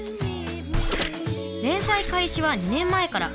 連載開始は２年前から。